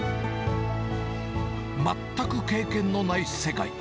全く経験のない世界。